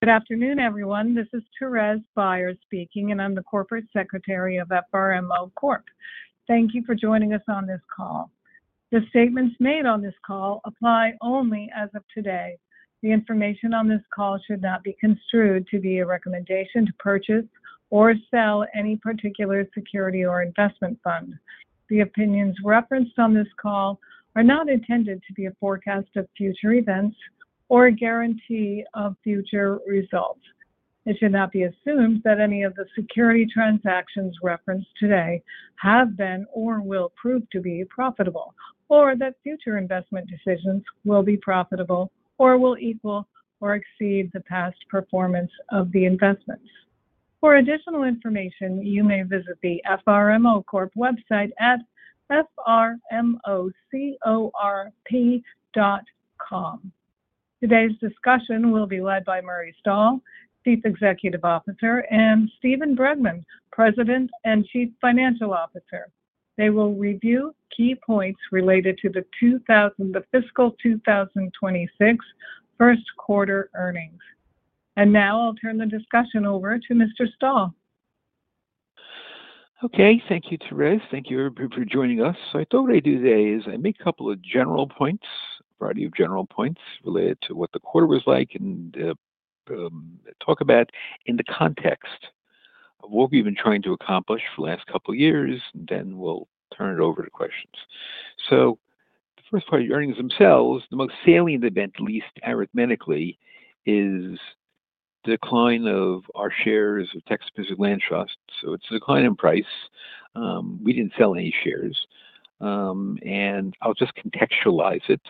Good afternoon, everyone. This is Thérèse Byars speaking, and I'm the Corporate Secretary of FRMO Corp. Thank you for joining us on this call. The statements made on this call apply only as of today. The information on this call should not be construed to be a recommendation to purchase or sell any particular security or investment fund. The opinions referenced on this call are not intended to be a forecast of future events or a guarantee of future results. It should not be assumed that any of the security transactions referenced today have been or will prove to be profitable, or that future investment decisions will be profitable or will equal or exceed the past performance of the investments. For additional information, you may visit the FRMO Corp. website at frmocorp.com. Today's discussion will be led by Murray Stahl, Chief Executive Officer, and Steven Bregman, President and Chief Financial Officer. They will review key points related to the fiscal 2026 first quarter earnings. Now I'll turn the discussion over to Mr. Stahl. Okay, thank you, Thérèse. Thank you for joining us. I thought what I'd do today is make a couple of general points, a variety of general points related to what the quarter was like and talk about it in the context of what we've been trying to accomplish for the last couple of years, then we'll turn it over to questions. The first part of the earnings themselves, the most salient event at least arithmetically, is the decline of our shares of Texas Land Trust. It's a decline in price. We didn't sell any shares. I'll just contextualize it.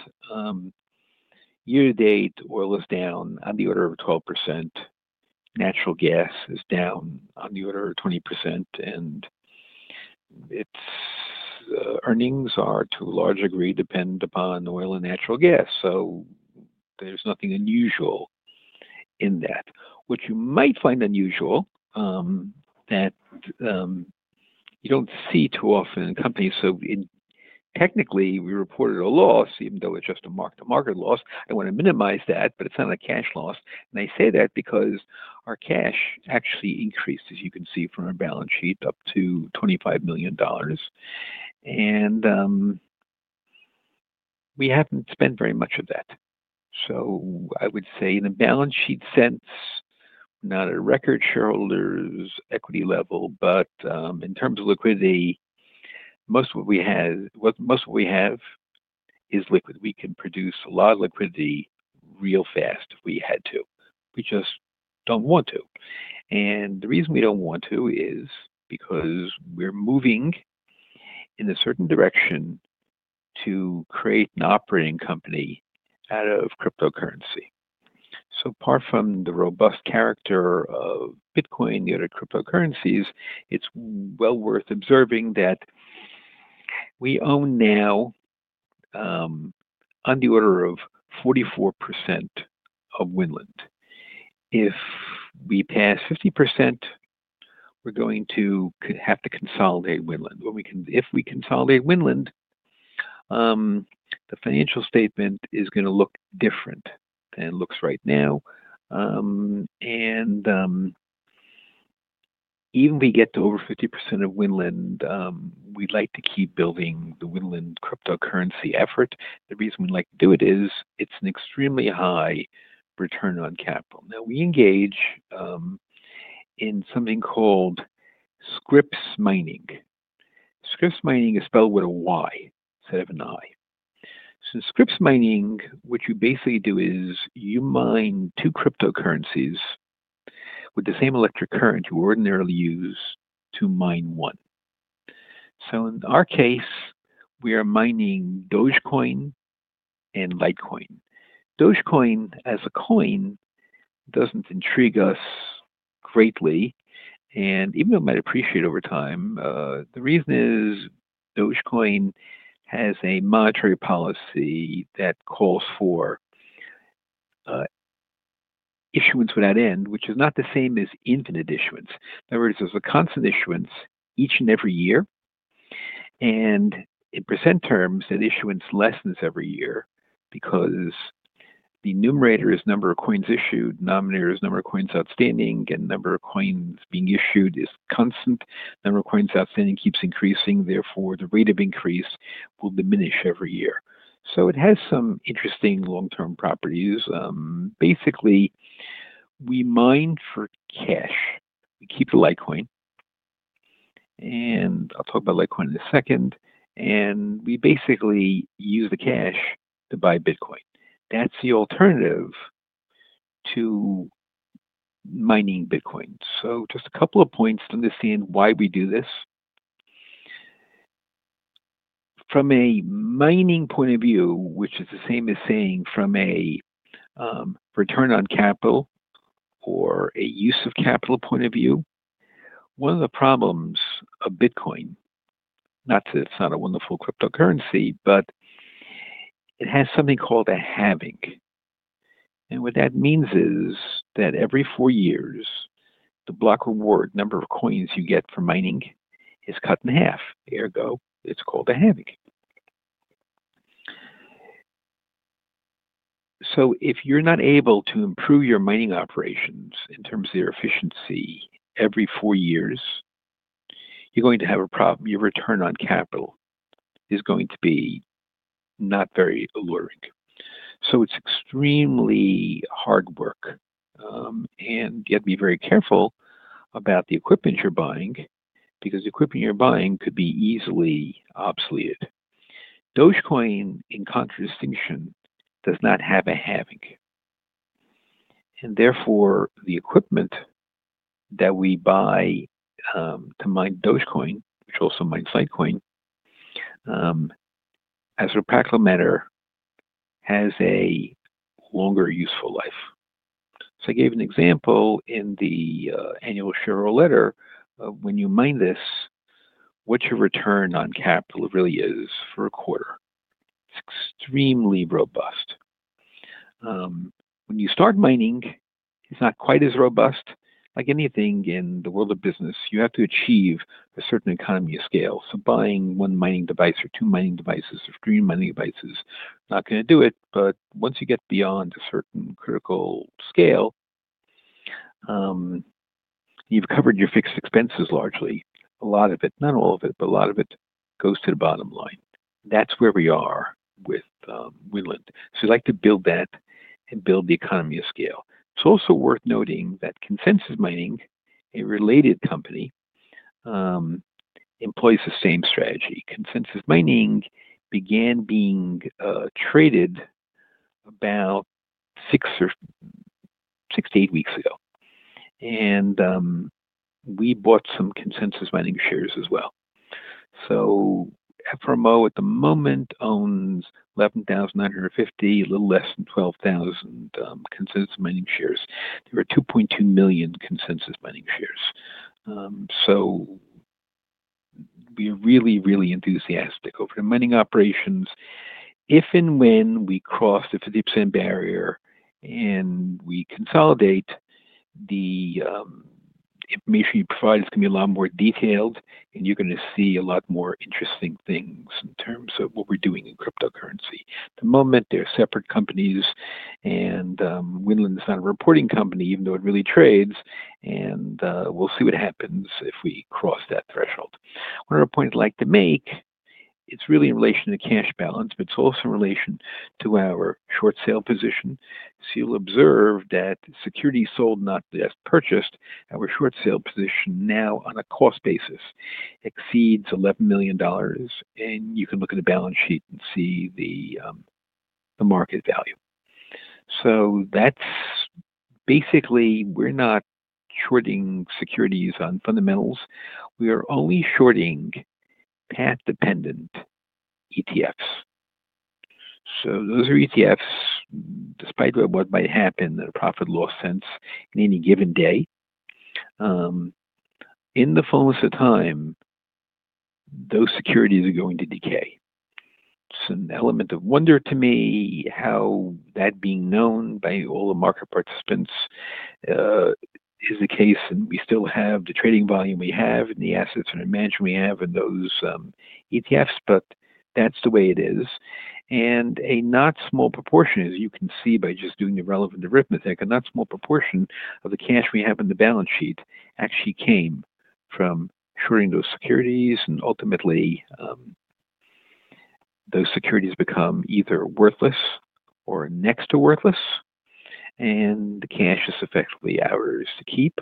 Year-to-date, oil is down on the order of 12%. Natural gas is down on the order of 20%. Its earnings are, to a large degree, dependent upon oil and natural gas. There's nothing unusual in that. What you might find unusual, that you don't see too often in companies. Technically, we reported a loss, even though it's just a mark-to-market loss. I want to minimize that, but it's not a cash loss. I say that because our cash actually increased, as you can see from our balance sheet, up to $25 million. We haven't spent very much of that. I would say in the balance sheet sense, we're not at a record shareholders' equity level. In terms of liquidity, most of what we have is liquid. We can produce a lot of liquidity real fast if we had to. We just don't want to. The reason we don't want to is because we're moving in a certain direction to create an operating company out of cryptocurrency. Apart from the robust character of Bitcoin and the other cryptocurrencies, it's well worth observing that we own now on the order of 44% of Winland. If we pass 50%, we're going to have to consolidate Winland. If we consolidate Winland, the financial statement is going to look different than it looks right now. Even if we get to over 50% of Winland, we'd like to keep building the Winland cryptocurrency effort. The reason we'd like to do it is it's an extremely high return on capital. Now, we engage in something called Scrypts mining. Scrypts mining is spelled with a Y instead of an I. In Scrypts mining, what you basically do is you mine two cryptocurrencies with the same electric current you ordinarily use to mine one. In our case, we are mining Dogecoin and Litecoin. Dogecoin, as a coin, doesn't intrigue us greatly. Even though it might appreciate over time, the reason is Dogecoin has a monetary policy that calls for issuance without end, which is not the same as infinite issuance. In other words, there's a constant issuance each and every year. In percent terms, that issuance lessens every year because the numerator is the number of coins issued, the denominator is the number of coins outstanding, and the number of coins being issued is constant. The number of coins outstanding keeps increasing. Therefore, the rate of increase will diminish every year. It has some interesting long-term properties. Basically, we mine for cash. We keep the Litecoin. I'll talk about Litecoin in a second. We basically use the cash to buy Bitcoin. That's the alternative to mining Bitcoin. Just a couple of points to understand why we do this. From a mining point of view, which is the same as saying from a return on capital or a use of capital point of view, one of the problems of Bitcoin, not that it's not a wonderful cryptocurrency, but it has something called a halving. What that means is that every four years, the block reward, the number of coins you get for mining, is cut in half. Ergo, it's called a halving. If you're not able to improve your mining operations in terms of their efficiency every four years, you're going to have a problem. Your return on capital is going to be not very alluring. It's extremely hard work. You have to be very careful about the equipment you're buying because the equipment you're buying could be easily obsoleted. Dogecoin, in contradistinction, does not have a halving. Therefore, the equipment that we buy to mine Dogecoin, which also mines Litecoin, as a practical matter, has a longer useful life. I gave an example in the annual shareholder letter of when you mine this, what your return on capital really is for a quarter. It's extremely robust. When you start mining, it's not quite as robust. Like anything in the world of business, you have to achieve a certain economy of scale. Buying one mining device or two mining devices or three mining devices is not going to do it. Once you get beyond a certain critical scale, you've covered your fixed expenses largely. A lot of it, not all of it, but a lot of it goes to the bottom line. That's where we are with Winland. We like to build that and build the economy of scale. It's also worth noting that Consensus Mining, a related company, employs the same strategy. Consensus Mining began being traded about six or six to eight weeks ago. We bought some Consensus Mining shares as well. FRMO at the moment owns 11,950, a little less than 12,000 Consensus Mining shares. There are 2.2 million Consensus Mining shares. We are really, really enthusiastic over the mining operations. If and when we cross the 50% barrier and we consolidate, the information you provide is going to be a lot more detailed, and you're going to see a lot more interesting things in terms of what we're doing in cryptocurrency. At the moment, they're separate companies, and Winland is not a reporting company, even though it really trades. We'll see what happens if we cross that threshold. One other point I'd like to make, it's really in relation to the cash balance, but it's also in relation to our short sale position. You'll observe that security sold, not just purchased, our short sale position now on a cost basis exceeds $11 million. You can look at the balance sheet and see the market value. That's basically, we're not shorting securities on fundamentals. We are only shorting path-dependent ETFs. Those are ETFs, despite what might happen in a profit-loss sense in any given day, in the fullness of time, those securities are going to decay. It's an element of wonder to me how that being known by all the market participants is the case. We still have the trading volume we have and the assets under management we have in those ETFs. That's the way it is. A not small proportion, as you can see by just doing the relevant arithmetic, a not small proportion of the cash we have in the balance sheet actually came from shorting those securities. Ultimately, those securities become either worthless or next to worthless. The cash is effectively ours to keep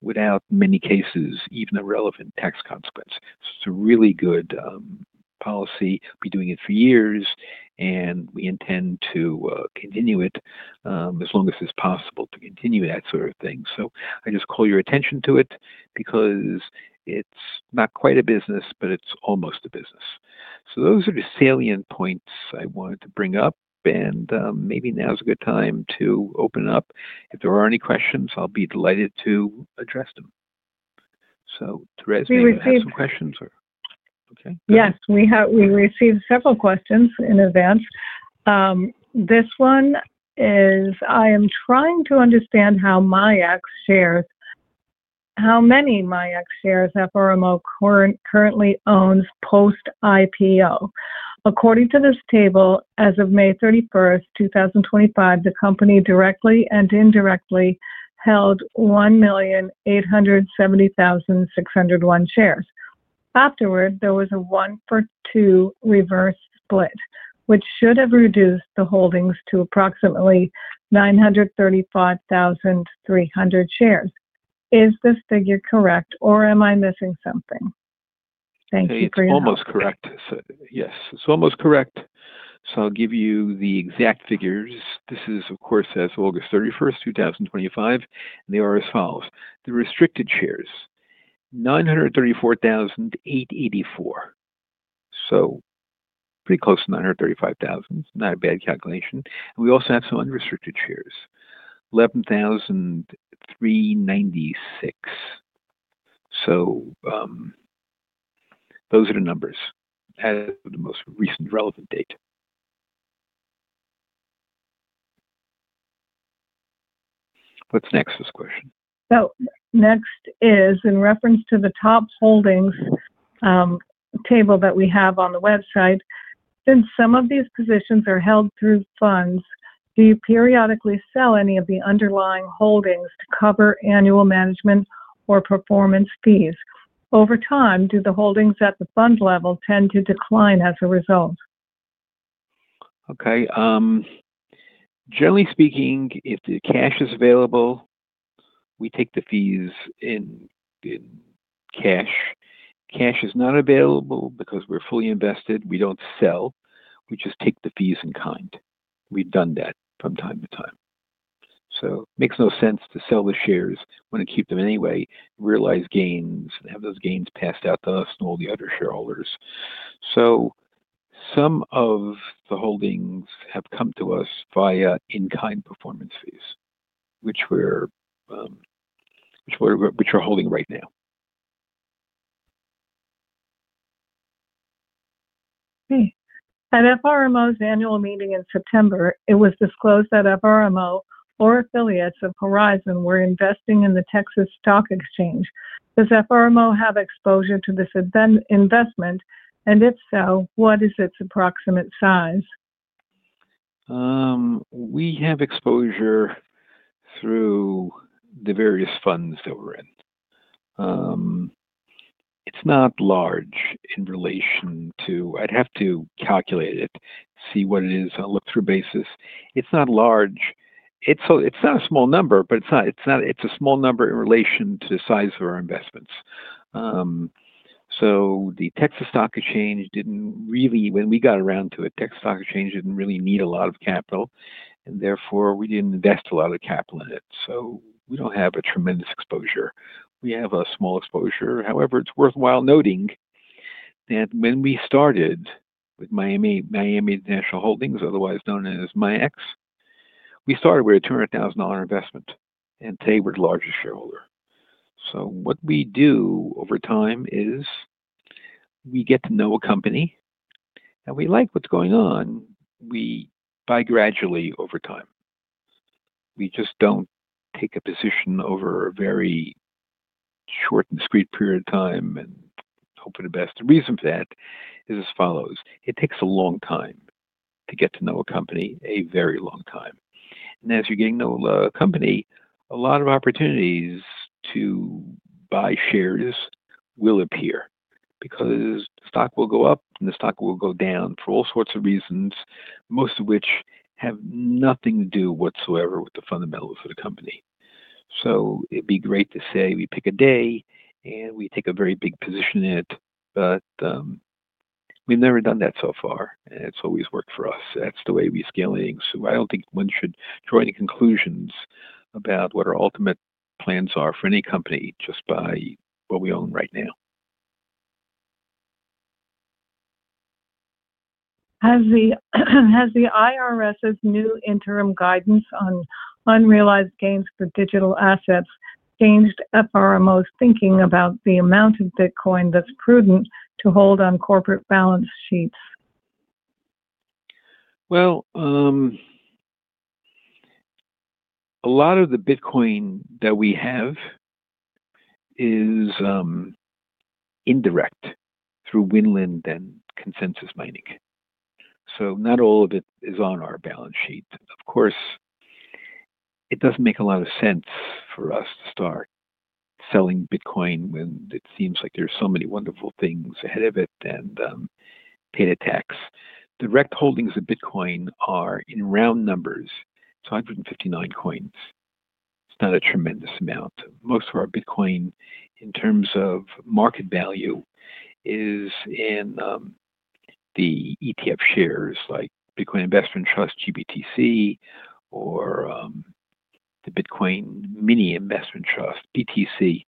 without, in many cases, even a relevant tax consequence. It's a really good policy. We've been doing it for years, and we intend to continue it as long as it's possible to continue that sort of thing. I just call your attention to it because it's not quite a business, but it's almost a business. Those are the salient points I wanted to bring up. Maybe now is a good time to open up. If there are any questions, I'll be delighted to address them. Thérèse, maybe you have some questions, or? Okay. Yes, we received several questions in advance. This one is, I am trying to understand how MIAX shares, how many MIAX shares FRMO currently owns post-IPO. According to this table, as of May 31, 2025, the company directly and indirectly held 1,870,601 shares. Afterward, there was a one-for-two reverse split, which should have reduced the holdings to approximately 935,300 shares. Is this figure correct, or am I missing something? Thank you for your. It's almost correct. Yes, it's almost correct. I'll give you the exact figures. This is, of course, as of August 31, 2025, and they are as follows. The restricted shares: 934,884, so pretty close to 935,000. It's not a bad calculation. We also have some unrestricted shares: 11,396. Those are the numbers as of the most recent relevant date. What's next, this question? In reference to the top holdings table that we have on the website, since some of these positions are held through funds, do you periodically sell any of the underlying holdings to cover annual management or performance fees? Over time, do the holdings at the fund level tend to decline as a result? Generally speaking, if the cash is available, we take the fees in cash. Cash is not available because we're fully invested. We don't sell. We just take the fees in kind. We've done that from time to time. It makes no sense to sell the shares when we want to keep them anyway, realize gains, and have those gains passed out to us and all the other shareholders. Some of the holdings have come to us via in-kind performance fees, which we're holding right now. Okay. At FRMO's annual meeting in September, it was disclosed that FRMO or affiliates of Horizon were investing in the Texas Stock Exchange. Does FRMO have exposure to this investment? If so, what is its approximate size? We have exposure through the various funds that we're in. It's not large in relation to, I'd have to calculate it, see what it is on a look-through basis. It's not large. It's not a small number, but it's not. It's a small number in relation to the size of our investments. The Texas Stock Exchange didn't really, when we got around to it, Texas Stock Exchange didn't really need a lot of capital. Therefore, we didn't invest a lot of the capital in it. We don't have a tremendous exposure. We have a small exposure. However, it's worthwhile noting that when we started with Miami National Holdings, otherwise known as MIAX, we started with a $200,000 investment. Today, we're the largest shareholder. What we do over time is we get to know a company and we like what's going on. We buy gradually over time. We just don't take a position over a very short and discreet period of time and hope for the best. The reason for that is as follows. It takes a long time to get to know a company, a very long time. As you're getting to know a company, a lot of opportunities to buy shares will appear because the stock will go up and the stock will go down for all sorts of reasons, most of which have nothing to do whatsoever with the fundamentals of the company. It'd be great to say we pick a day and we take a very big position in it, but we've never done that so far, and it's always worked for us. That's the way we scale things. I don't think one should draw any conclusions about what our ultimate plans are for any company just by what we own right now. Has the IRS's new interim guidance on unrealized gains for digital assets changed FRMO's thinking about the amount of Bitcoin that's prudent to hold on corporate balance sheets? A lot of the Bitcoin that we have is indirect through Winland and Consensus Mining, so not all of it is on our balance sheet. Of course, it doesn't make a lot of sense for us to start selling Bitcoin when it seems like there's so many wonderful things ahead of it and pay the tax. Direct holdings of Bitcoin are in round numbers 259 coins. It's not a tremendous amount. Most of our Bitcoin in terms of market value is in the ETF shares like Bitcoin Investment Trust, GBTC, or the Bitcoin Mini Investment Trust, BTC.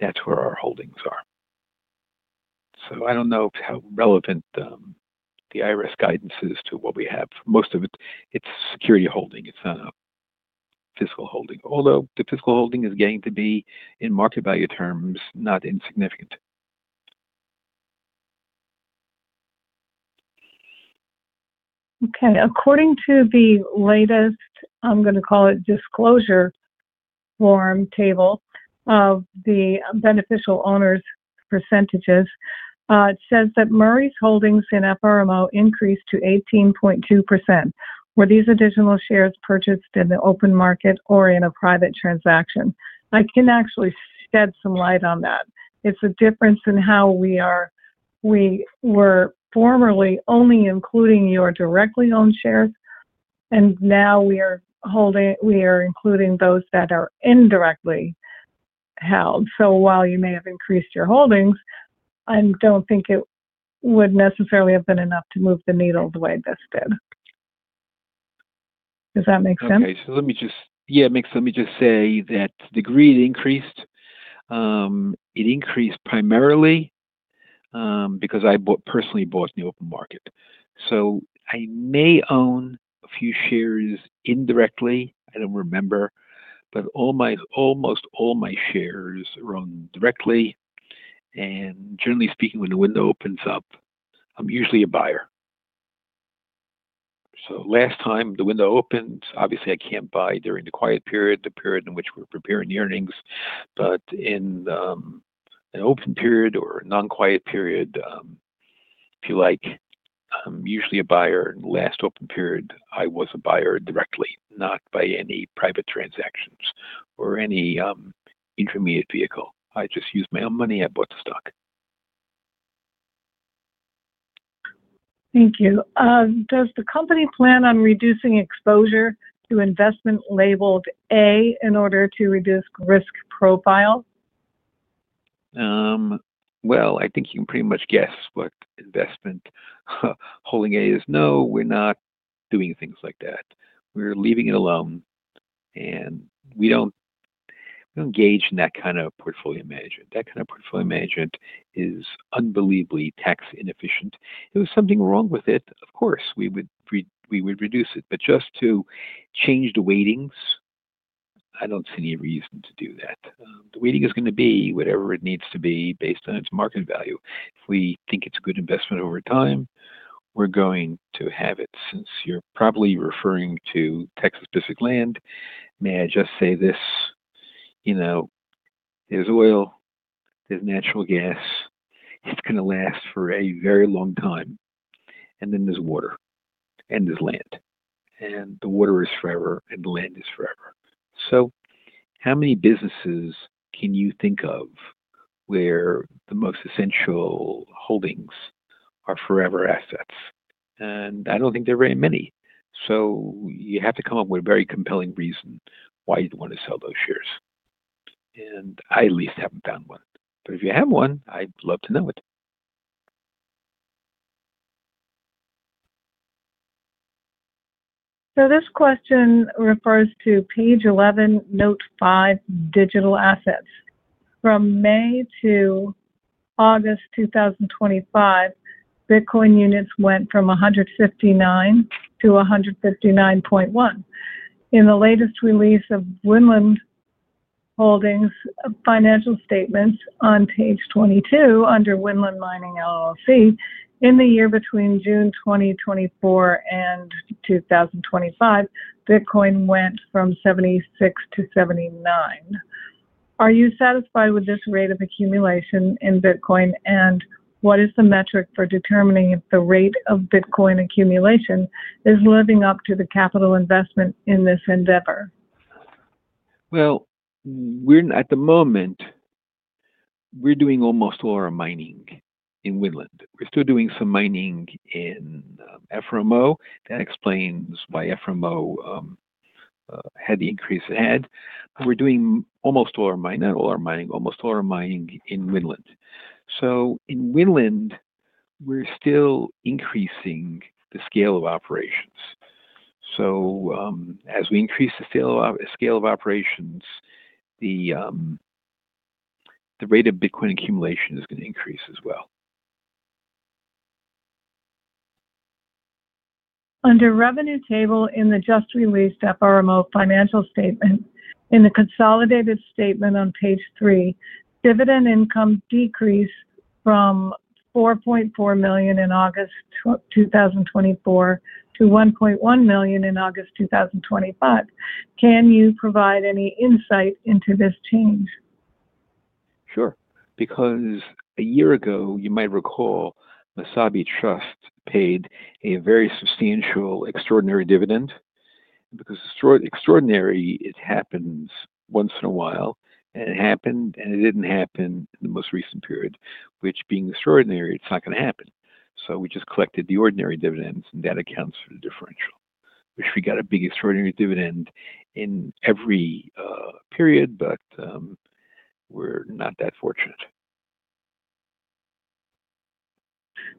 That's where our holdings are. I don't know how relevant the IRS guidance is to what we have. Most of it is security holding, not a physical holding, although the physical holding is getting to be in market value terms, not insignificant. Okay. According to the latest, I'm going to call it disclosure form table of the beneficial owners' percentages, it says that Murray's holdings in FRMO increased to 18.2%. Were these additional shares purchased in the open market or in a private transaction? I can actually shed some light on that. It's a difference in how we are. We were formerly only including your directly owned shares, and now we are including those that are indirectly held. While you may have increased your holdings, I don't think it would necessarily have been enough to move the needle the way this did. Does that make sense? Let me just say that the degree it increased, it increased primarily because I personally bought in the open market. I may own a few shares indirectly. I don't remember, but almost all my shares are owned directly. Generally speaking, when the window opens up, I'm usually a buyer. Last time the window opened, obviously, I can't buy during the quiet period, the period in which we're preparing the earnings. In an open period or a non-quiet period, if you like, I'm usually a buyer. In the last open period, I was a buyer directly, not by any private transactions or any intermediate vehicle. I just used my own money. I bought the stock. Thank you. Does the company plan on reducing exposure to investment labeled A in order to reduce risk profile? I think you can pretty much guess what investment holding A is. No, we're not doing things like that. We're leaving it alone. We don't engage in that kind of portfolio management. That kind of portfolio management is unbelievably tax inefficient. If there was something wrong with it, of course, we would reduce it. Just to change the weightings, I don't see any reason to do that. The weighting is going to be whatever it needs to be based on its market value. If we think it's a good investment over time, we're going to have it. Since you're probably referring to Texas Pacific Land, may I just say this? You know, there's oil, there's natural gas. It's going to last for a very long time. There is water and there is land. The water is forever and the land is forever. How many businesses can you think of where the most essential holdings are forever assets? I don't think there are very many. You have to come up with a very compelling reason why you'd want to sell those shares. I at least haven't found one. If you have one, I'd love to know it. This question refers to page 11, note 5, digital assets. From May to August 2025, Bitcoin units went from 159 to 159.1. In the latest release of Winland Holdings' financial statements on page 22 under Winland Mining LLC, in the year between June 2024 and 2025, Bitcoin went from 76 to 79. Are you satisfied with this rate of accumulation in Bitcoin, and what is the metric for determining if the rate of Bitcoin accumulation is living up to the capital investment in this endeavor? At the moment, we're doing almost all our mining in Winland. We're still doing some mining in FRMO. That explains why FRMO had the increase it had. We're doing almost all our mining, not all our mining, almost all our mining in Winland. In Winland, we're still increasing the scale of operations. As we increase the scale of operations, the rate of Bitcoin accumulation is going to increase as well. Under Revenue Table in the just released FRMO financial statement, in the consolidated statement on page three, dividend income decreased from $4.4 million in August 2024 to $1.1 million in August 2025. Can you provide any insight into this change? Sure. Because a year ago, you might recall, Wasabi Trust paid a very substantial, extraordinary dividend. Because extraordinary, it happens once in a while. It happened, and it didn't happen in the most recent period, which being extraordinary, it's not going to happen. We just collected the ordinary dividends, and that accounts for the differential. We got a big extraordinary dividend in every period, but we're not that fortunate.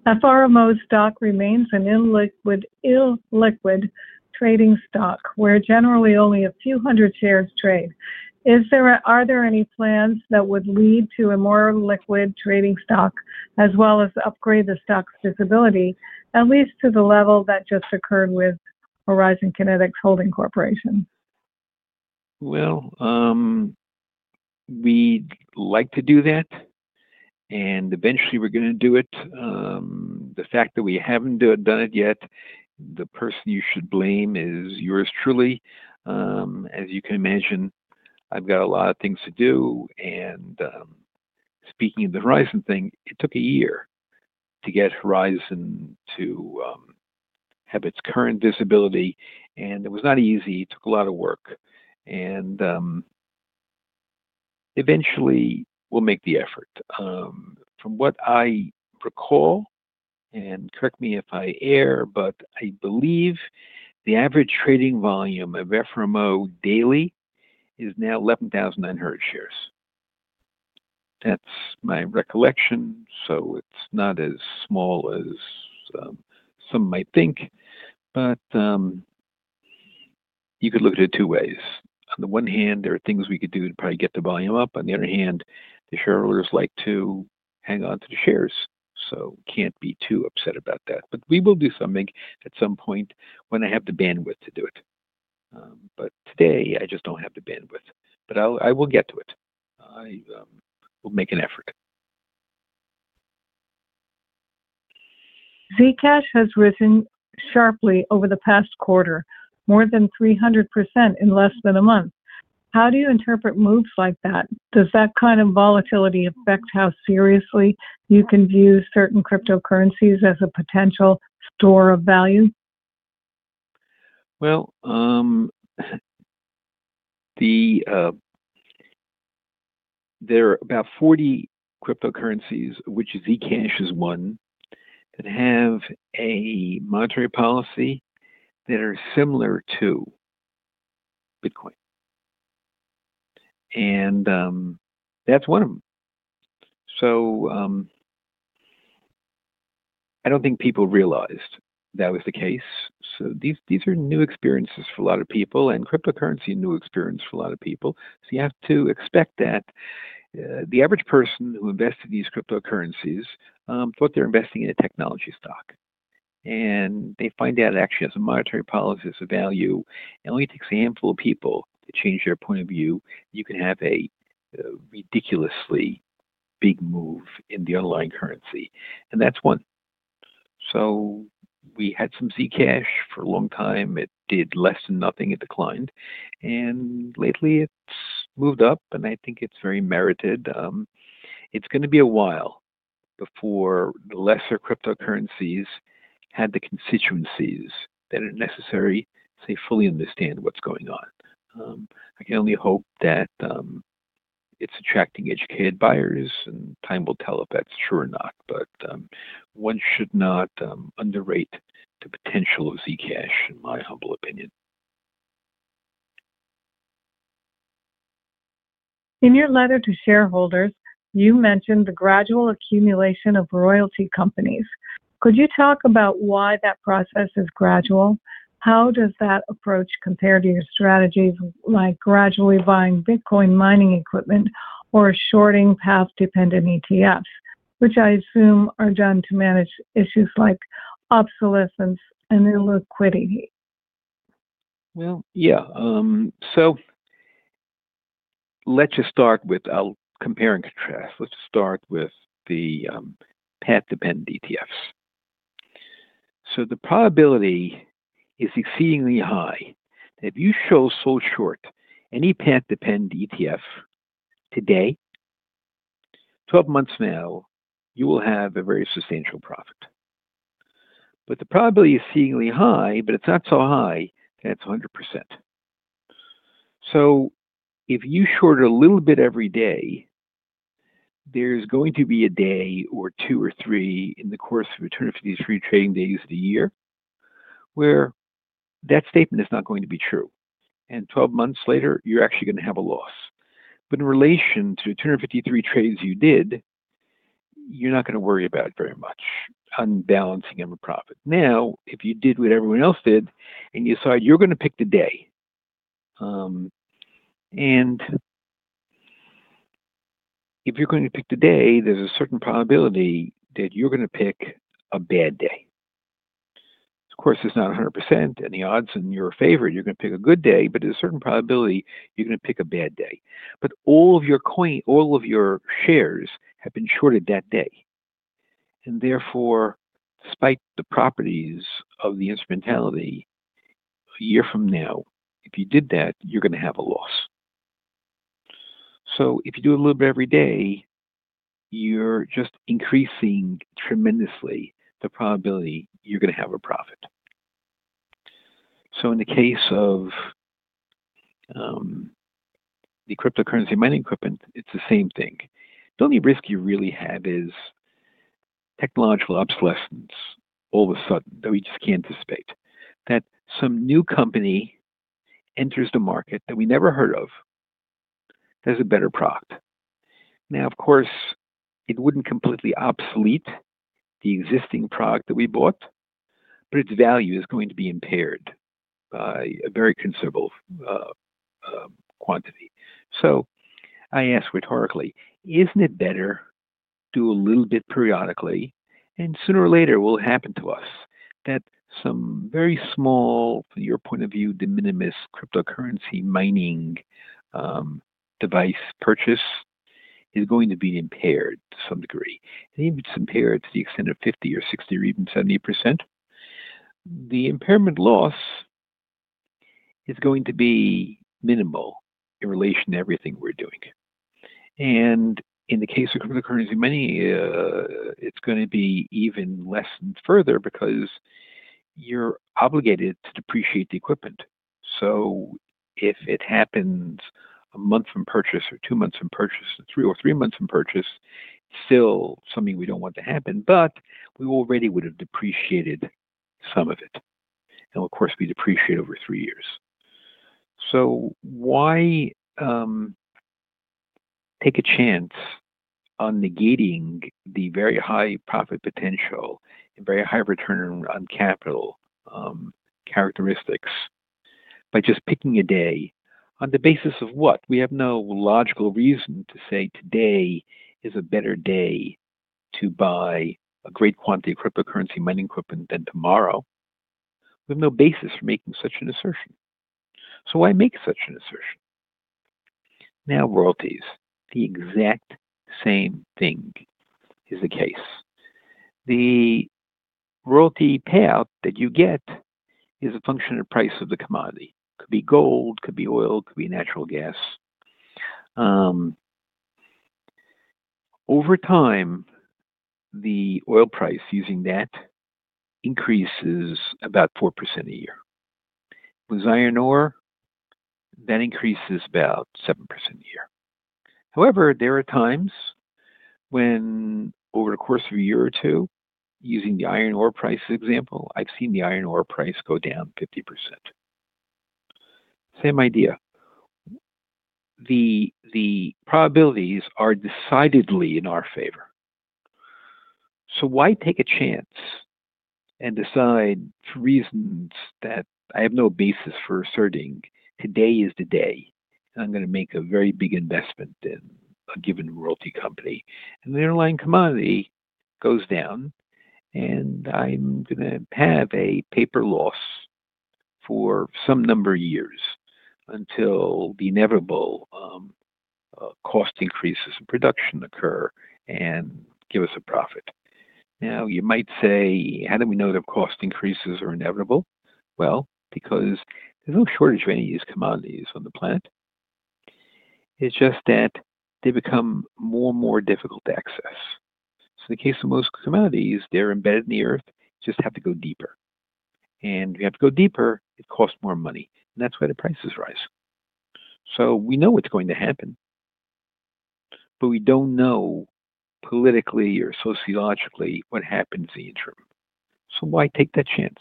FRMO's stock remains an illiquid trading stock where generally only a few hundred shares trade. Are there any plans that would lead to a more liquid trading stock as well as upgrade the stock's visibility, at least to the level that just occurred with Horizon Kinetics Holding Corporation? We would like to do that. Eventually, we are going to do it. The fact that we have not done it yet, the person you should blame is yours truly. As you can imagine, I have got a lot of things to do. Speaking of the Horizon thing, it took a year to get Horizon to have its current visibility. It was not easy. It took a lot of work. Eventually, we will make the effort. From what I recall, and correct me if I err, I believe the average trading volume of FRMO daily is now 11,900 shares. That is my recollection. It is not as small as some might think. You could look at it two ways. On the one hand, there are things we could do to probably get the volume up. On the other hand, the shareholders like to hang on to the shares. We cannot be too upset about that. We will do something at some point when I have the bandwidth to do it. Today, I just do not have the bandwidth. I will get to it. I will make an effort. Zcash has risen sharply over the past quarter, more than 300% in less than a month. How do you interpret moves like that? Does that kind of volatility affect how seriously you can view certain cryptocurrencies as a potential store of value? There are about 40 cryptocurrencies, which Zcash is one, that have a monetary policy that are similar to Bitcoin. That's one of them. I don't think people realized that was the case. These are new experiences for a lot of people, and cryptocurrency is a new experience for a lot of people. You have to expect that. The average person who invests in these cryptocurrencies thought they were investing in a technology stock, and they find out it actually has a monetary policy, has a value. Only it takes a handful of people to change their point of view. You can have a ridiculously big move in the underlying currency. That's one. We had some Zcash for a long time. It did less than nothing. It declined. Lately, it's moved up, and I think it's very merited. It's going to be a while before the lesser cryptocurrencies have the constituencies that are necessary to fully understand what's going on. I can only hope that it's attracting educated buyers, and time will tell if that's true or not. One should not underrate the potential of Zcash, in my humble opinion. In your letter to shareholders, you mentioned the gradual accumulation of royalty companies. Could you talk about why that process is gradual? How does that approach compare to your strategies like gradually buying Bitcoin mining equipment or shorting path-dependent ETFs, which I assume are done to manage issues like obsolescence and illiquidity? Let's just start with I'll compare and contrast. Let's just start with the path-dependent ETFs. The probability is exceedingly high that if you short any path-dependent ETF today, 12 months from now, you will have a very substantial profit. The probability is exceedingly high, but it's not so high that it's 100%. If you short a little bit every day, there's going to be a day or two or three in the course of the 253 trading days of the year where that statement is not going to be true, and 12 months later, you're actually going to have a loss. In relation to the 253 trades you did, you're not going to worry about it very much, unbalancing of a profit. If you did what everyone else did and you decide you're going to pick the day, and if you're going to pick the day, there's a certain probability that you're going to pick a bad day. Of course, it's not 100%, and the odds are in your favor. You're going to pick a good day, but there's a certain probability you're going to pick a bad day. All of your coin, all of your shares have been shorted that day. Therefore, despite the properties of the instrumentality, a year from now, if you did that, you're going to have a loss. If you do a little bit every day, you're just increasing tremendously the probability you're going to have a profit. In the case of the cryptocurrency mining equipment, it's the same thing. The only risk you really have is technological obsolescence all of a sudden that we just can't anticipate, that some new company enters the market that we never heard of that has a better product. Of course, it wouldn't completely obsolete the existing product that we bought, but its value is going to be impaired by a very considerable quantity. I ask rhetorically, isn't it better to do a little bit periodically? Sooner or later, it will happen to us that some very small, from your point of view, de minimis cryptocurrency mining device purchase is going to be impaired to some degree. Even if it's impaired to the extent of 50% or 60% or even 70%, the impairment loss is going to be minimal in relation to everything we're doing. In the case of cryptocurrency mining, it's going to be even lessened further because you're obligated to depreciate the equipment. If it happens a month from purchase or two months from purchase or three months from purchase, it's still something we don't want to happen, but we already would have depreciated some of it. Of course, we depreciate over three years. Why take a chance on negating the very high profit potential and very high return on capital characteristics by just picking a day on the basis of what? We have no logical reason to say today is a better day to buy a great quantity of cryptocurrency mining equipment than tomorrow. We have no basis for making such an assertion. Why make such an assertion? Now, royalties, the exact same thing is the case. The royalty payout that you get is a function of the price of the commodity. It could be gold, it could be oil, it could be natural gas. Over time, the oil price using that increases about 4% a year. With iron ore, that increases about 7% a year. However, there are times when over the course of a year or two, using the iron ore price example, I've seen the iron ore price go down 50%. Same idea. The probabilities are decidedly in our favor. Why take a chance and decide for reasons that I have no basis for asserting today is the day I'm going to make a very big investment in a given royalty company and the underlying commodity goes down and I'm going to have a paper loss for some number of years until the inevitable cost increases in production occur and give us a profit? You might say, how do we know that cost increases are inevitable? Because there's no shortage of any of these commodities on the planet. It's just that they become more and more difficult to access. In the case of most commodities, they're embedded in the earth. You just have to go deeper. If you have to go deeper, it costs more money. That's why the prices rise. We know what's going to happen, but we don't know politically or sociologically what happens in the interim. Why take that chance?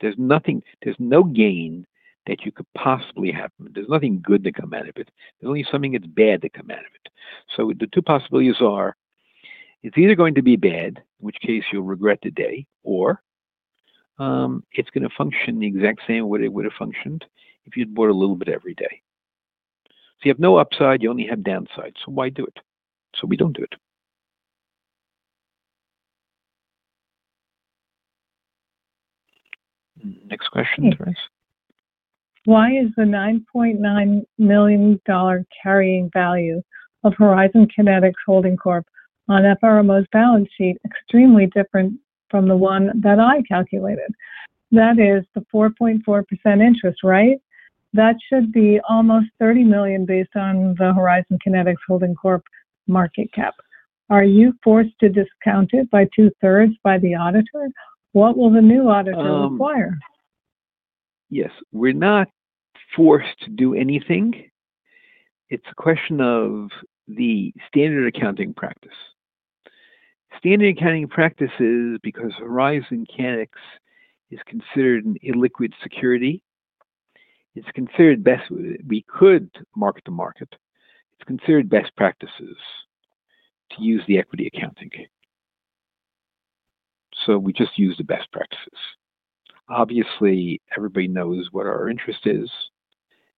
There's no gain that you could possibly have from it. There's nothing good to come out of it. There's only something that's bad to come out of it. The two possibilities are, it's either going to be bad, in which case you'll regret the day, or it's going to function the exact same way it would have functioned if you'd bought a little bit every day. You have no upside. You only have downsides. Why do it? We don't do it. Next question, Thérèse? Why is the $9.9 million carrying value of Horizon Kinetics Holding Corp on FRMO's balance sheet extremely different from the one that I calculated? That is the 4.4% interest, right? That should be almost $30 million based on the Horizon Kinetics Holding Corp market cap. Are you forced to discount it by 2/3 by the auditor? What will the new auditor require? Yes. We're not forced to do anything. It's a question of the standard accounting practice. Standard accounting practices because Horizon Kinetics is considered an illiquid security. It's considered best. We could mark to market. It's considered best practices to use the equity accounting. We just use the best practices. Obviously, everybody knows what our interest is.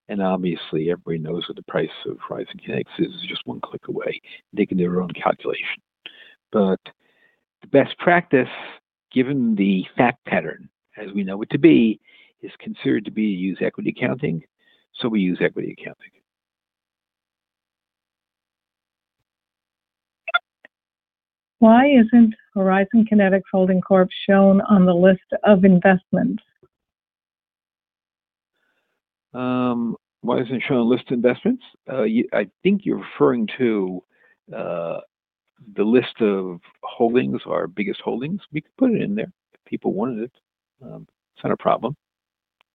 Obviously, everybody knows what the price of Horizon Kinetics is. It's just one click away, making their own calculation. The best practice, given the fact pattern, as we know it to be, is considered to be to use equity accounting. We use equity accounting. Why isn't Horizon Kinetics Holding Corp shown on the list of investments? Why isn't it shown on the list of investments? I think you're referring to the list of holdings, our biggest holdings. We could put it in there if people wanted it. It's not a problem.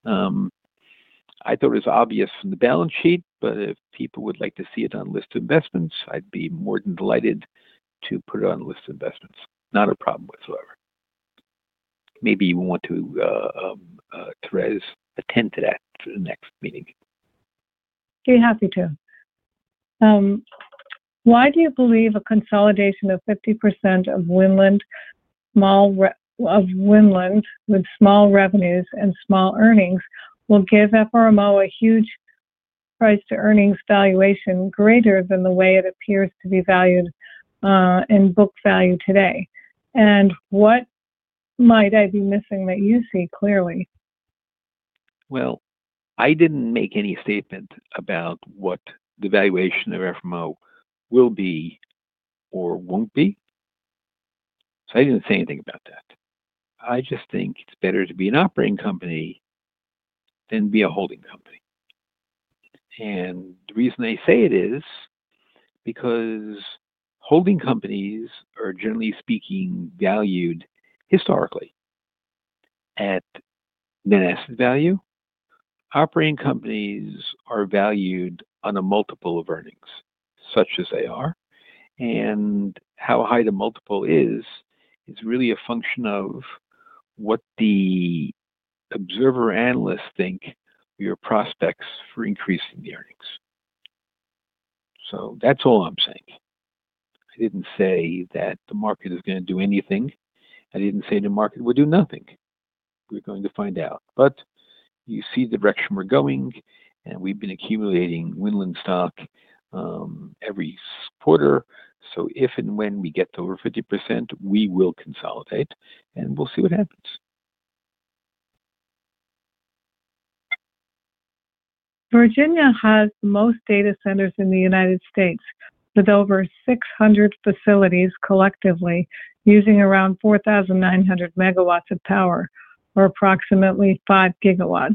I thought it was obvious from the balance sheet, but if people would like to see it on the list of investments, I'd be more than delighted to put it on the list of investments. Not a problem whatsoever. Maybe you want to, Thérèse, attend to that for the next meeting. Be happy to. Why do you believe a consolidation of 50% of Winland with small revenues and small earnings will give FRMO a huge price-to-earnings valuation greater than the way it appears to be valued in book value today? What might I be missing that you see clearly? I didn't make any statement about what the valuation of FRMO will be or won't be. I didn't say anything about that. I just think it's better to be an operating company than be a holding company. The reason I say it is because holding companies are, generally speaking, valued historically at net asset value. Operating companies are valued on a multiple of earnings, such as they are. How high the multiple is, is really a function of what the observer analysts think of your prospects for increasing the earnings. That's all I'm saying. I didn't say that the market is going to do anything. I didn't say the market will do nothing. We're going to find out. You see the direction we're going, and we've been accumulating Winland stock every quarter. If and when we get to over 50%, we will consolidate, and we'll see what happens. Virginia has the most data centers in the United States, with over 600 facilities collectively using around 4,900 MW of power, or approximately 5 GW.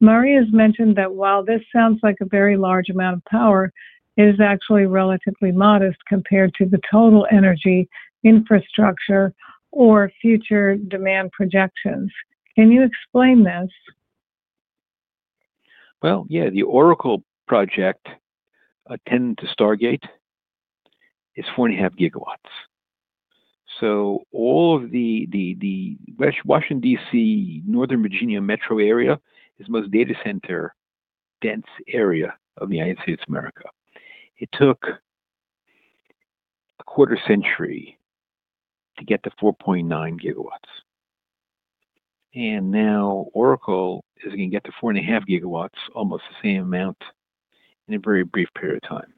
Murray has mentioned that while this sounds like a very large amount of power, it is actually relatively modest compared to the total energy infrastructure or future demand projections. Can you explain this? The Oracle project attending to Stargate is 4.5 GW. All of the Washington, D.C., Northern Virginia metro area is the most data center-dense area of the United States of America. It took a quarter century to get to 4.9 GW. Now Oracle is going to get to 4.5 GW, almost the same amount, in a very brief period of time.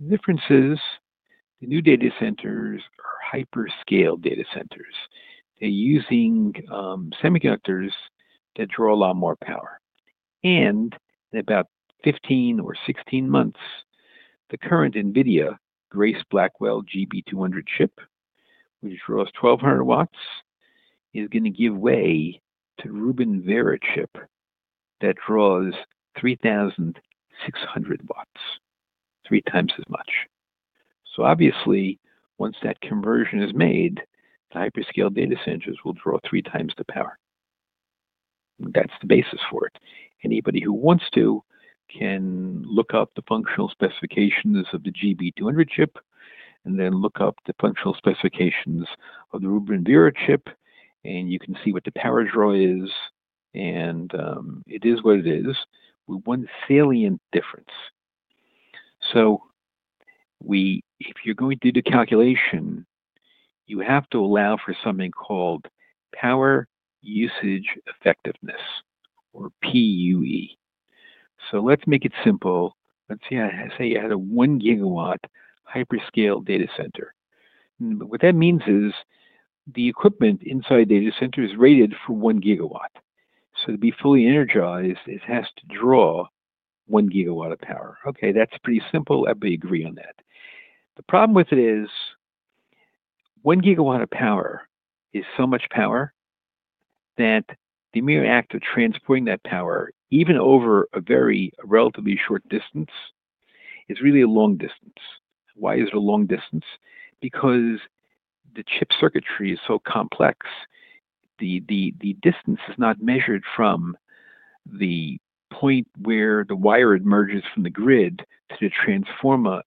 The difference is the new data centers are hyperscale data centers. They're using semiconductors that draw a lot more power. In about 15 or 16 months, the current NVIDIA Grace Blackwell GB200 chip, which draws 1,200 W, is going to give way to the Rubin Vera chip that draws 3,600 W, three times as much. Obviously, once that conversion is made, the hyperscale data centers will draw three times the power. That's the basis for it. Anybody who wants to can look up the functional specifications of the GB200 chip and then look up the functional specifications of the Rubin Vera chip, and you can see what the power draw is. It is what it is with one salient difference. If you're going to do the calculation, you have to allow for something called power usage effectiveness, or PUE. Let's make it simple. Let's say I had a 1 GW hyperscale data center. What that means is the equipment inside the data center is rated for 1 GW. To be fully energized, it has to draw 1 GW of power. That's pretty simple. Everybody agrees on that. The problem with it is 1 GW of power is so much power that the mere act of transporting that power, even over a very relatively short distance, is really a long distance. Why is it a long distance? The chip circuitry is so complex. The distance is not measured from the point where the wire merges from the grid to the transformer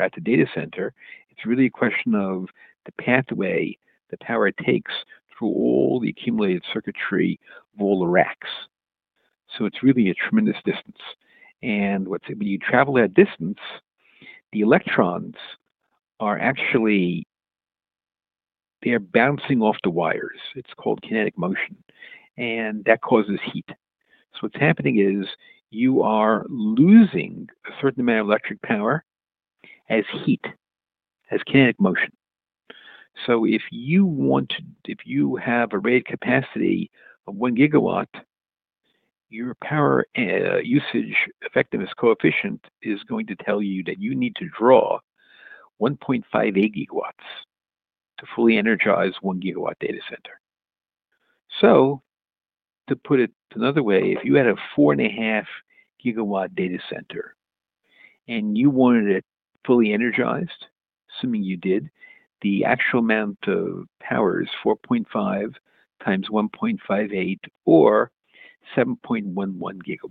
at the data center. It's really a question of the pathway the power takes through all the accumulated circuitry volar racks. It's really a tremendous distance. When you travel that distance, the electrons are actually, they're bouncing off the wires. It's called kinetic motion. That causes heat. What's happening is you are losing a certain amount of electric power as heat, as kinetic motion. If you have a rate capacity of 1 GW, your power usage effectiveness coefficient is going to tell you that you need to draw 1.58 GW to fully energize 1 GW data center. To put it another way, if you had a 4.5 GW data center and you wanted it fully energized, assuming you did, the actual amount of power is 4.5 GW x 1.58 GW or 7.11 GW.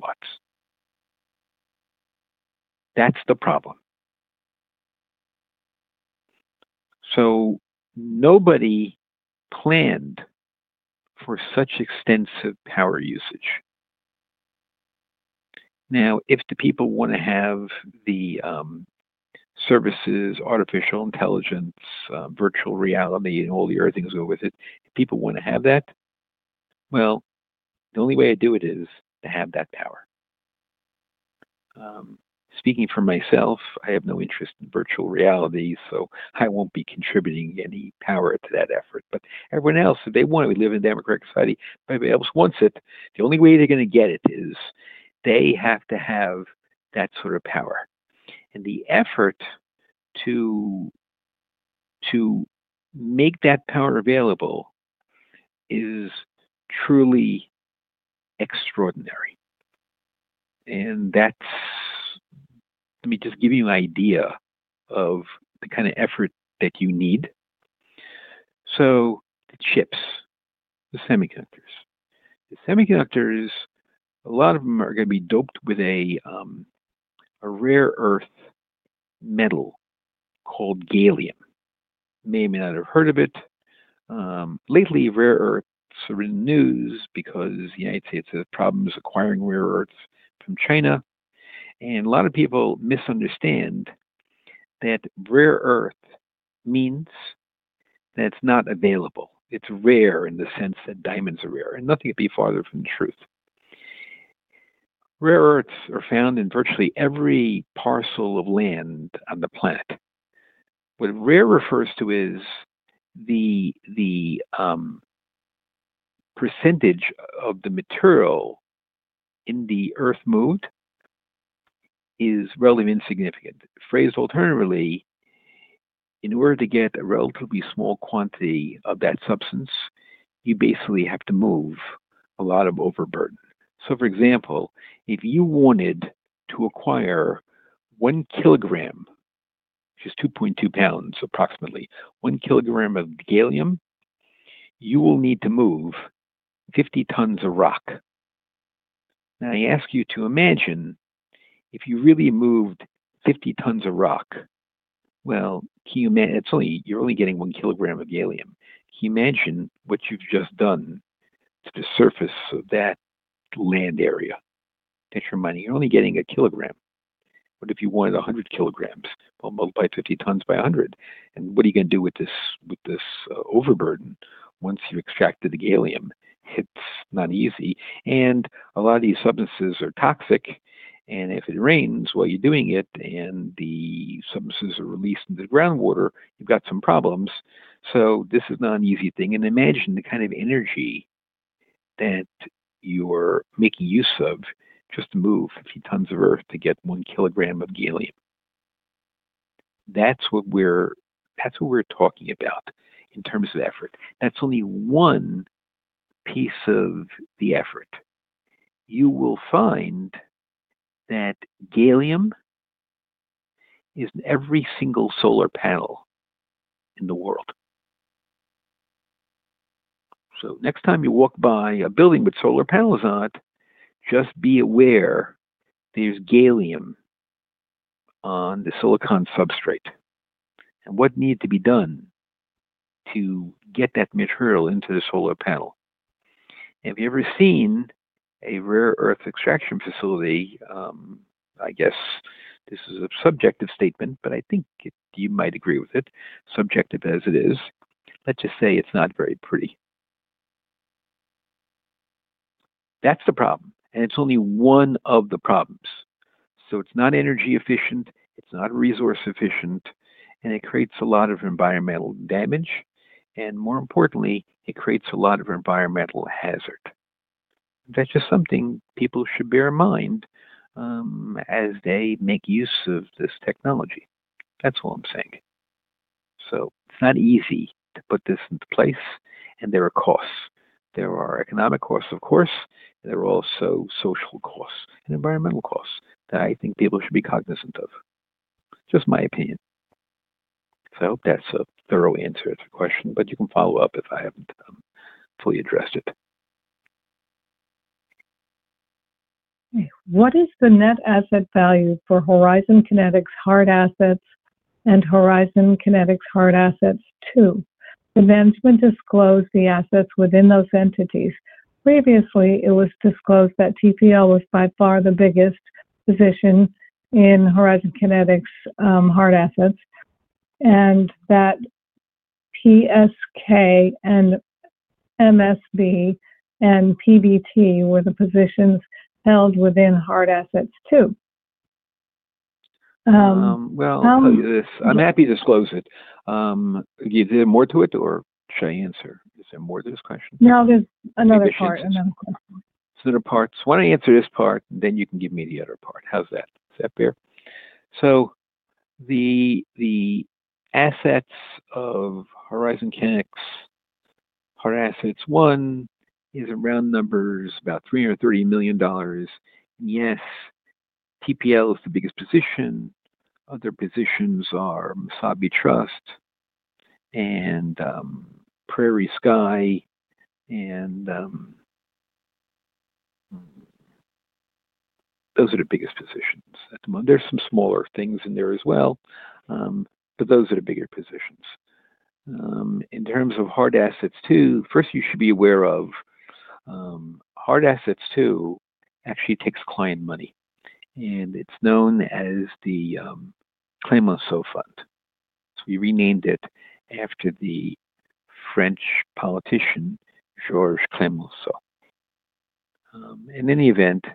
That is the problem. Nobody planned for such extensive power usage. If people want to have the services, artificial intelligence, virtual reality, and all the other things that go with it, if people want to have that, the only way to do it is to have that power. Speaking for myself, I have no interest in virtual reality, so I won't be contributing any power to that effort. Everyone else, if they want it, we live in a democratic society. If everybody else wants it, the only way they're going to get it is they have to have that sort of power. The effort to make that power available is truly extraordinary. Let me just give you an idea of the kind of effort that you need. The chips, the semiconductors. The semiconductors, a lot of them are going to be doped with a rare earth metal called gallium. You may or may not have heard of it. Lately, rare earths are in the news because the United States has problems acquiring rare earths from China. A lot of people misunderstand that rare earth means that it's not available. It's rare in the sense that diamonds are rare. Nothing could be farther from the truth. Rare earths are found in virtually every parcel of land on the planet. What rare refers to is the percentage of the material in the earth moved is relatively insignificant. Phrased alternatively, in order to get a relatively small quantity of that substance, you basically have to move a lot of overburden. For example, if you wanted to acquire 1 kg, which is 2.2 lbs approximately, 1 kg of the gallium, you will need to move 50 tons of rock. I ask you to imagine if you really moved 50 tons of rock. You're only getting 1 kg of gallium. Can you imagine what you've just done to the surface of that land area? That's your money. You're only getting a kilogram. If you wanted 100 kg, multiply 50 tons by 100. What are you going to do with this overburden once you've extracted the gallium? It's not easy. A lot of these substances are toxic. If it rains while you're doing it and the substances are released into the groundwater, you've got some problems. This is not an easy thing. Imagine the kind of energy that you're making use of just to move 50 tons of earth to get 1 kg of gallium. That's what we're talking about in terms of effort. That's only one piece of the effort. You will find that gallium is in every single solar panel in the world. Next time you walk by a building with solar panels on it, just be aware there's gallium on the silicon substrate. What needed to be done to get that material into the solar panel? Have you ever seen a rare earth extraction facility? I guess this is a subjective statement, but I think you might agree with it. Subjective as it is, let's just say it's not very pretty. That's the problem, and it's only one of the problems. It's not energy efficient. It's not resource efficient, and it creates a lot of environmental damage. More importantly, it creates a lot of environmental hazard. That's just something people should bear in mind as they make use of this technology. That's all I'm saying. It's not easy to put this into place, and there are costs. There are economic costs, of course, and there are also social costs and environmental costs that I think people should be cognizant of. Just my opinion. I hope that's a thorough answer to the question, but you can follow up if I haven't fully addressed it. Okay. What is the net asset value for Horizon Kinetics Hard Assets and Horizon Kinetics Hard Assets II? The management disclosed the assets within those entities. Previously, it was disclosed that TPL was by far the biggest position in Horizon Kinetics Hard Assets. PSK, MSB, and PBT were the positions held within Hard Assets II. I'm happy to disclose it. Is there more to it, or should I answer? Is there more to this question? No, there's another part. Why don't I answer this part, and then you can give me the other part? Is that fair? The assets of Horizon Kinetics Hard Assets, one is, in round numbers, about $330 million. Yes, TPL is the biggest position. Other positions are Wasabi Trust and Prairie Sky. Those are the biggest positions. There are some smaller things in there as well, but those are the bigger positions. In terms of Hard Assets II, first, you should be aware Hard Assets II actually takes client money, and it's known as the Clemenceau Fund. We renamed it after the French politician Georges Clemenceau. In any event,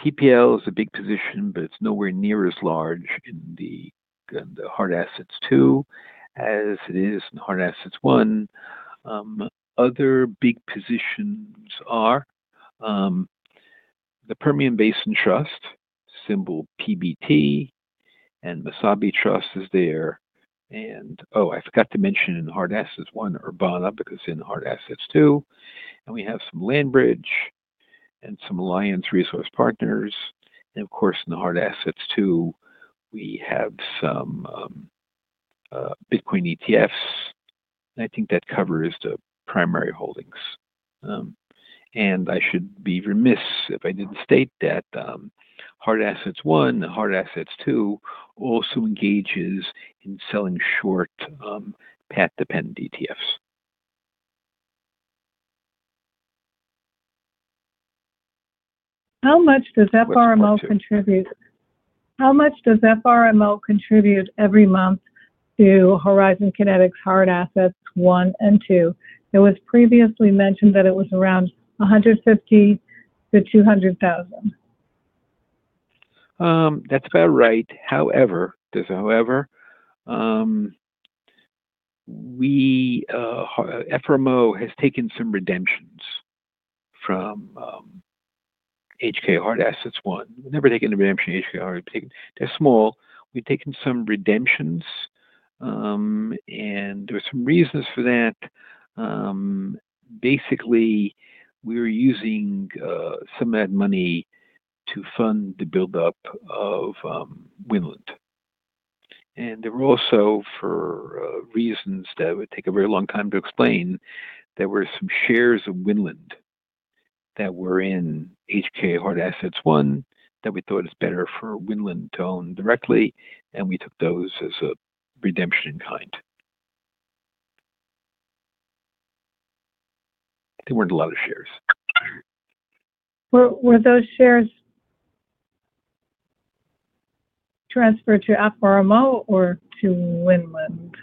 TPL is a big position, but it's nowhere near as large in Hard Assets II as it is in Hard Assets I. Other big positions are the Permian Basin Trust, symbol PBT, and Wasabi Trust is there. I forgot to mention in Hard Assets I, Urbana, because it's in Hard Assets II. We have some Landbridge and some Alliance Resource Partners. Of course, in Hard Assets II, we have some Bitcoin ETFs. I think that covers the primary holdings. I should be remiss if I didn't state that Hard Assets I and Hard Assets II also engage in selling short path-dependent ETFs. How much does FRMO contribute? How much does FRMO contribute every month to Horizon Kinetics Hard Assets I and II? It was previously mentioned that it was around $150,000-$200,000. That's about right. However, FRMO has taken some redemptions from HK Hard Assets funds. We've never taken a redemption in HK Hard Assets funds. They're small. We've taken some redemptions, and there were some reasons for that. Basically, we were using some of that money to fund the build-up of Winland. There were also, for reasons that would take a very long time to explain, some shares of Winland that were in HK Hard Assets I that we thought it's better for Winland to own directly. We took those as a redemption in kind. There weren't a lot of shares. Were those shares transferred to FRMO or to Winland?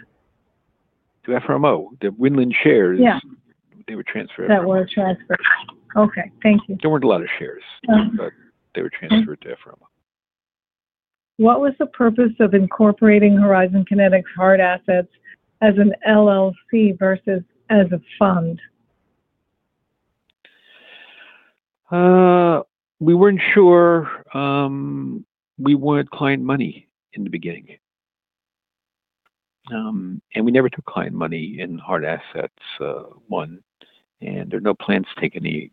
To FRMO. The Winland shares, they were transferred. That were transferred. Okay. Thank you. There weren't a lot of shares, but they were transferred to FRMO. What was the purpose of incorporating Horizon Kinetics Hard Assets as an LLC versus as a fund? We weren't sure. We wanted client money in the beginning. We never took client money in Hard Assets I, and there are no plans to take any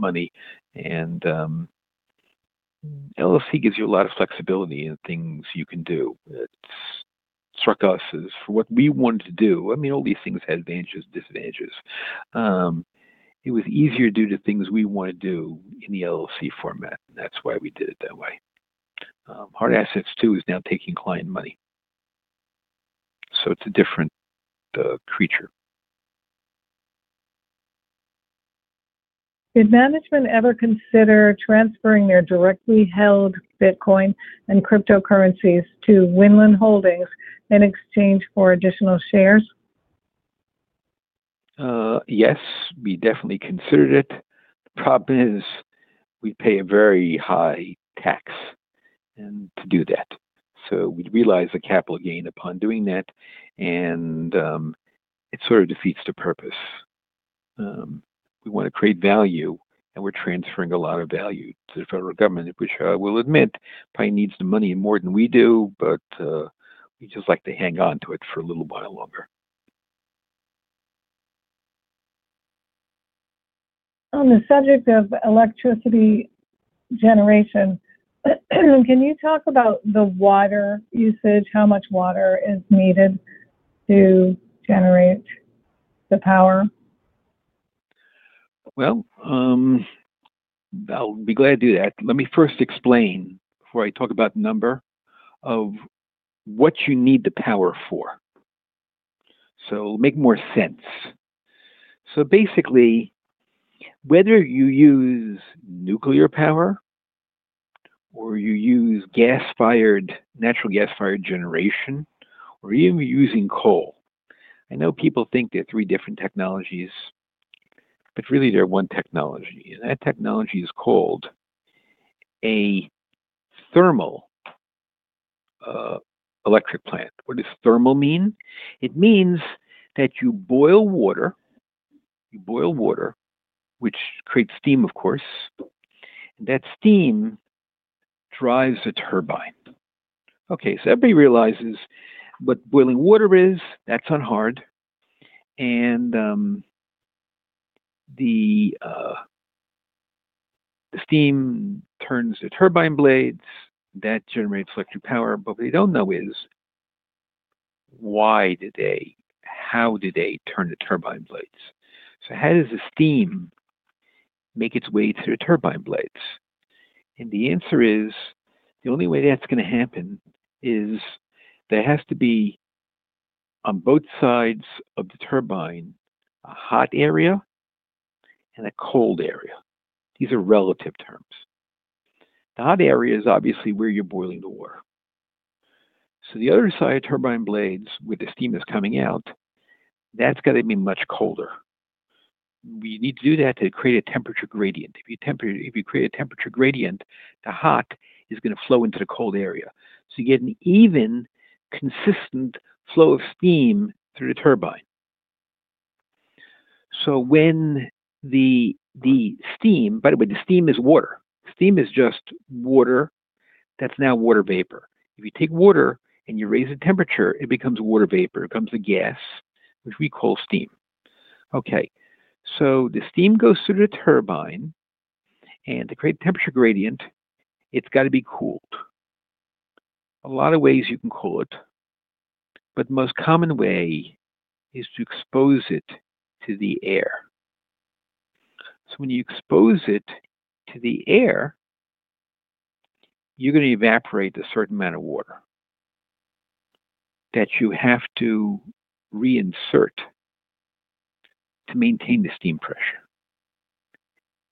money. An LLC gives you a lot of flexibility in things you can do. It struck us as for what we wanted to do. All these things had advantages and disadvantages. It was easier to do the things we want to do in the LLC format, and that's why we did it that way. Hard Assets II is now taking client money. It's a different creature. Did management ever consider transferring their directly held Bitcoin and cryptocurrencies to Winland Holdings in exchange for additional shares? Yes, we definitely considered it. The problem is we pay a very high tax to do that. We realize the capital gain upon doing that, and it sort of defeats the purpose. We want to create value, and we're transferring a lot of value to the federal government, which I will admit probably needs the money more than we do, but we just like to hang on to it for a little while longer. On the subject of electricity generation, can you talk about the water usage, how much water is needed to generate the power? I'll be glad to do that. Let me first explain before I talk about the number of what you need the power for, so it'll make more sense. Basically, whether you use nuclear power or you use gas-fired, natural gas-fired generation, or even using coal, I know people think they're three different technologies, but really, they're one technology. That technology is called a thermal electric plant. What does thermal mean? It means that you boil water, you boil water, which creates steam, of course, and that steam drives a turbine. Everybody realizes what boiling water is. That's not hard. The steam turns the turbine blades. That generates electric power. What they don't know is why do they, how do they turn the turbine blades? How does the steam make its way through the turbine blades? The answer is the only way that's going to happen is there has to be on both sides of the turbine a hot area and a cold area. These are relative terms. The hot area is obviously where you're boiling the water. The other side of turbine blades with the steam that's coming out, that's got to be much colder. We need to do that to create a temperature gradient. If you create a temperature gradient, the hot is going to flow into the cold area. You get an even consistent flow of steam through the turbine. By the way, the steam is water. Steam is just water that's now water vapor. If you take water and you raise the temperature, it becomes water vapor. It becomes a gas, which we call steam. The steam goes through the turbine, and to create a temperature gradient, it's got to be cooled. A lot of ways you can cool it, but the most common way is to expose it to the air. When you expose it to the air, you're going to evaporate a certain amount of water that you have to reinsert to maintain the steam pressure.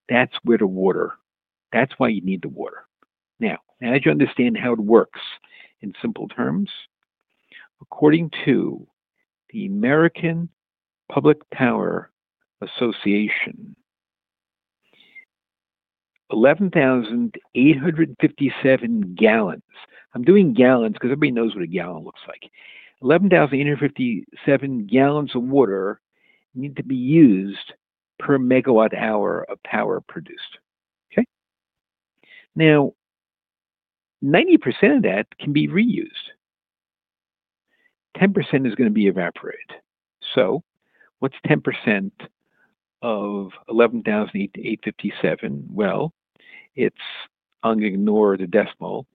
That's where the water, that's why you need the water. Now that you understand how it works in simple terms, according to the American Public Power Association, 11,857 gal, I'm doing gallons because everybody knows what a gallon looks like, 11,857 gal of water need to be used per MWh of power produced. 90% of that can be reused. 10% is going to be evaporated. What's 10% of 11,857 gal? I'm going to ignore the decimal.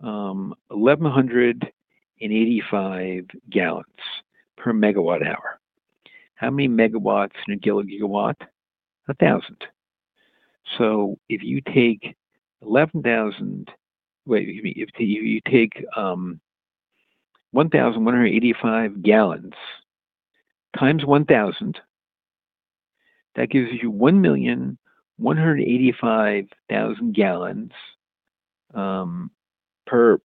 1,185 gal per MWh. How many MW in a GW? 1,000. If you take 1,185 gal times 1,000, that gives you 1,185,000 gal per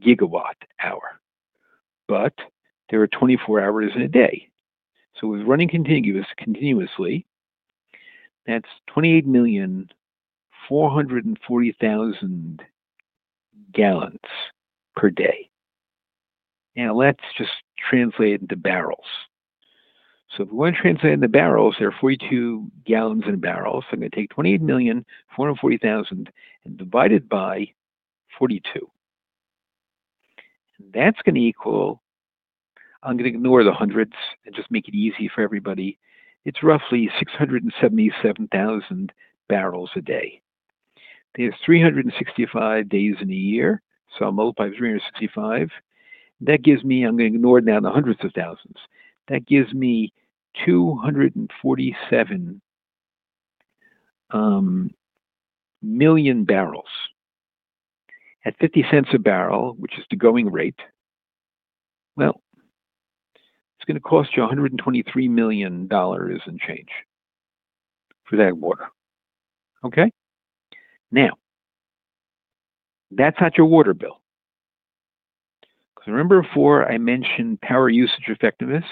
GWh. There are 24 hours in a day. If it was running continuously, that's 28,440,000 gal per day. Let's translate it into barrels. If we want to translate it into barrels, there are 42 gal in a barrel. I'm going to take 28,440,000 and divide it by 42. That's going to equal, I'm going to ignore the hundreds and just make it easy for everybody, it's roughly 677,000 bbl a day. There are 365 days in a year, so I'll multiply by 365. That gives me, I'm going to ignore now the hundreds of thousands, that gives me 247 million bbl. At $0.50 a barrel, which is the going rate, it's going to cost you $123 million and change for that water. That's not your water bill. I mentioned before power usage effectiveness.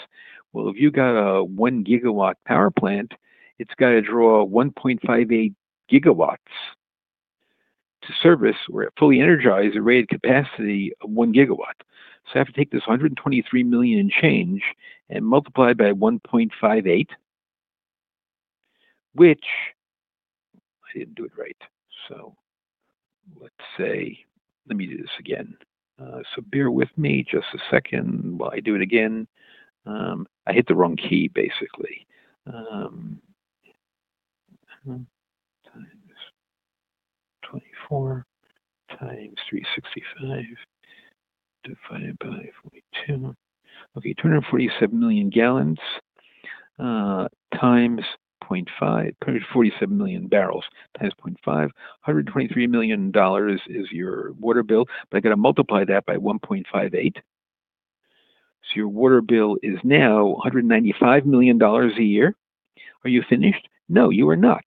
If you've got a 1 GW power plant, it's got to draw 1.58 GW to service or fully energize a rated capacity of 1 GW. I have to take this $123 million and change and multiply it by 1.58 GW, which I didn't do right. Let me do this again. Bear with me just a second while I do it again. I hit the wrong key, basically. Times 24 times 365 divided by 42. 247 million gal times 0.5, 247 million bbl times 0.5. $123 million is your water bill, but I have to multiply that by 1.58 GW. Your water bill is now $195 million a year. Are you finished? No, you are not.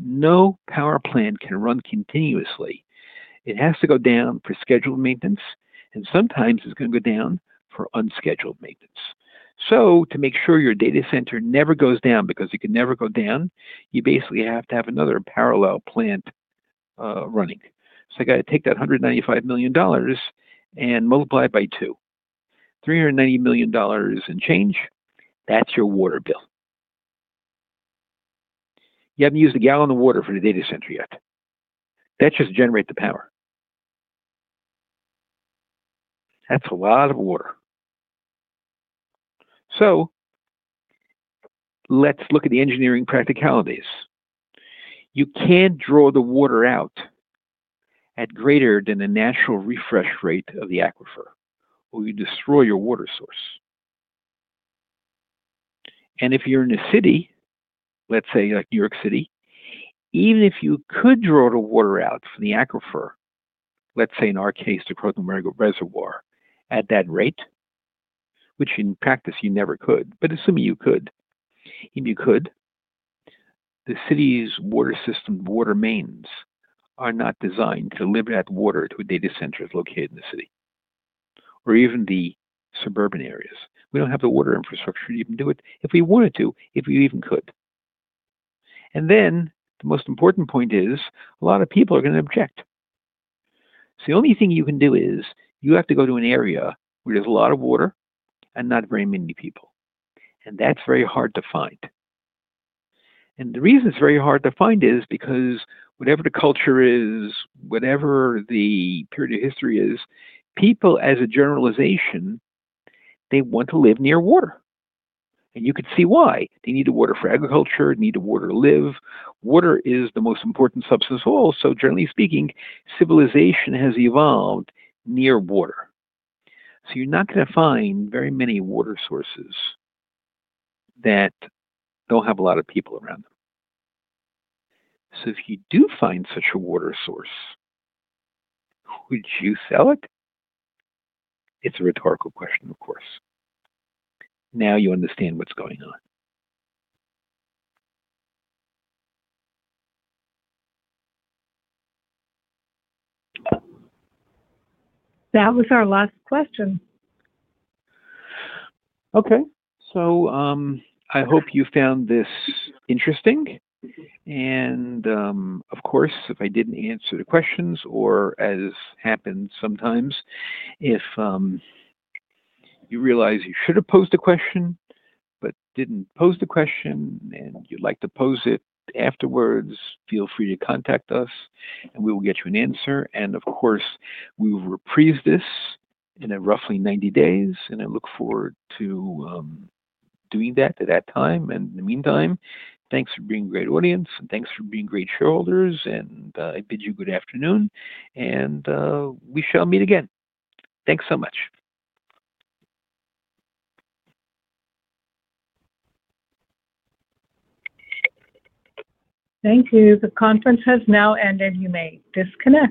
No power plant can run continuously. It has to go down for scheduled maintenance, and sometimes it's going to go down for unscheduled maintenance. To make sure your data center never goes down because it can never go down, you basically have to have another parallel plant running. I have to take that $195 million and multiply it by two. $390 million and change, that's your water bill. You haven't used a gallon of water for the data center yet. That's just to generate the power. That's a lot of water. Let's look at the engineering practicalities. You can't draw the water out at greater than the natural refresh rate of the aquifer, or you destroy your water source. If you're in a city, let's say like New York City, even if you could draw the water out from the aquifer, let's say in our case, the Croton Marigold Reservoir, at that rate, which in practice you never could, but assuming you could, even if you could, the city's water system, water mains, are not designed to deliver that water to a data center that's located in the city or even the suburban areas. We don't have the water infrastructure to even do it if we wanted to, if we even could. The most important point is a lot of people are going to object. The only thing you can do is you have to go to an area where there's a lot of water and not very many people. That is very hard to find. The reason it's very hard to find is because whatever the culture is, whatever the period of history is, people, as a generalization, want to live near water. You could see why. They need the water for agriculture. They need the water to live. Water is the most important substance of all. Generally speaking, civilization has evolved near water. You're not going to find very many water sources that don't have a lot of people around them. If you do find such a water source, would you sell it? It's a rhetorical question, of course. Now you understand what's going on. That was our last question. Okay. I hope you found this interesting. If I didn't answer the questions, or as happens sometimes, if you realize you should have posed a question but didn't pose the question and you'd like to pose it afterwards, feel free to contact us and we will get you an answer. We will reprise this in roughly 90 days. I look forward to doing that at that time. In the meantime, thanks for being a great audience and thanks for being great shareholders. I bid you a good afternoon. We shall meet again. Thanks so much. Thank you. The conference has now ended. You may disconnect.